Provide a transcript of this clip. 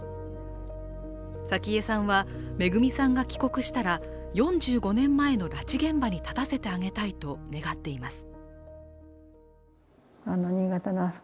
早紀江さんはめぐみさんが帰国したら、４５年前の拉致現場に立たせてあげたいと願っています。